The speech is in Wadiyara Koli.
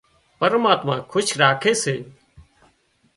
پرماتما کُش راکي سي